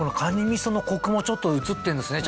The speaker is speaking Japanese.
みそのコクもちょっと移ってるんですね